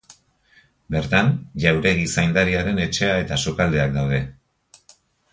Bertan jauregi-zaindariaren etxea eta sukaldeak daude.